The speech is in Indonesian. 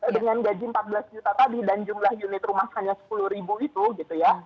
dengan gaji empat belas juta tadi dan jumlah unit rumah hanya sepuluh ribu itu gitu ya